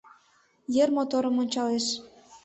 Йыр моторым ончалеш.